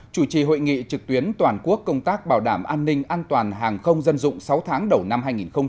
công tác bảo đảm an ninh an toàn hàng không dân dụng sáu tháng đầu năm hai nghìn một mươi chín